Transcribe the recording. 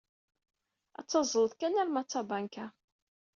Ad tazzled kan arma d tabanka.